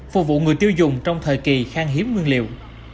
phục vụ người tiêu dùng trong thời kỳ khang hiếm nguyên liệu